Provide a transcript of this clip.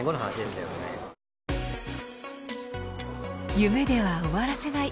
夢では終わらせない。